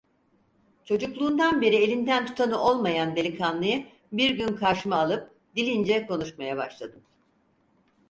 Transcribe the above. Çocukluğundan beri elinden tutanı olmayan delikanlıyı bir gün karşıma alıp dilince konuşmaya başladım.